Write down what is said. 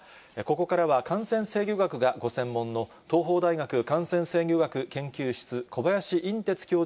ここからは、感染制御学がご専門の東邦大学感染制御学研究室、